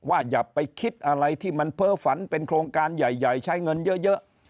อย่าไปคิดอะไรที่มันเพ้อฝันเป็นโครงการใหญ่ใช้เงินเยอะ